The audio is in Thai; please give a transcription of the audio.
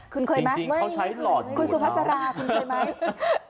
คุณเคยไหมคุณสุภาษาราคุณเคยไหม